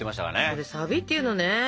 それサビっていうのね。